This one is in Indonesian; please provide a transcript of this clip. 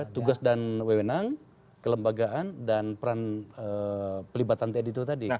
tugas dan wewenang kelembagaan dan peran pelibatan tni itu tadi